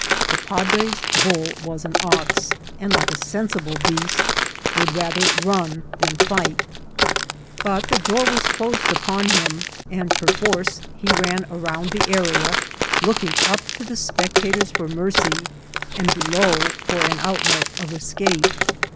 The padre's bull was an ox, and, like a sensible beast, would rather run than fight ; but the door was closed 800 INCIDBNTS OF TEATEL. upoD him, and perforce he ran round the area, looking up to the spectators for mercy, and below for an outlet of escape.